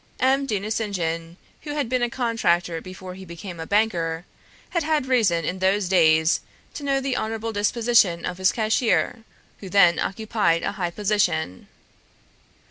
M. de Nucingen, who had been a contractor before he became a banker, had had reason in those days to know the honorable disposition of his cashier, who then occupied a high position.